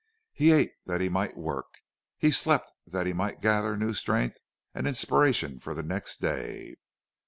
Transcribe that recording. He ate that he might work, he slept that he might gather new strength and inspiration for the next day.